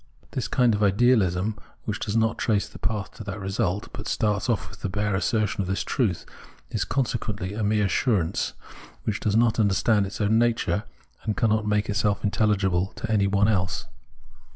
The kind of Ideahsm which does not trace the path to that result, but starts off with the bare assertion of this truth, is consequently a mere assurance, which does not understand its own nature, and cannot make itself intelHgible to any one else.